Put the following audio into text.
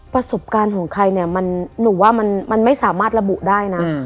ประสบการณ์ของใครเนี่ยหนูว่ามันไม่สามารถระบุได้นะ